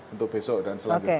untuk besok dan selanjutnya